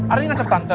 arin ngancam tante